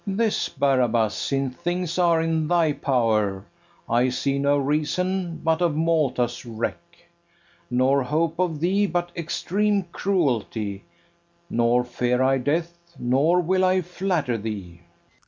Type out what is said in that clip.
This, Barabas; since things are in thy power, I see no reason but of Malta's wreck, Nor hope of thee but extreme cruelty: Nor fear I death, nor will I flatter thee.